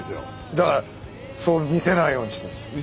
だから見せないようにしてるんですか？